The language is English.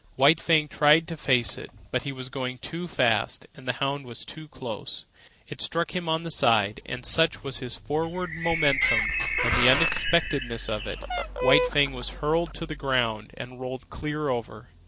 White Fang tried to face it. But he was going too fast, and the hound was too close. It struck him on the side; and such was his forward momentum and the unexpectedness of it, White Fang was hurled to the ground and rolled clear over.